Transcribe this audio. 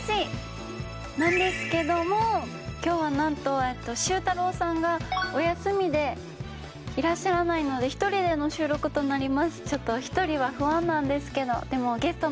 なんですけども今日はなんとシュー太郎さんがお休みでいらっしゃらないので１人での収録となります。